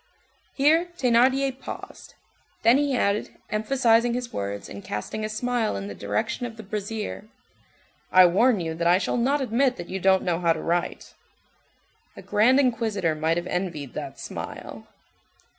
Here Thénardier paused; then he added, emphasizing his words, and casting a smile in the direction of the brazier:— "I warn you that I shall not admit that you don't know how to write." A grand inquisitor might have envied that smile.